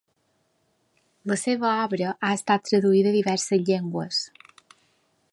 La seua obra ha estat traduïda a diverses llengües.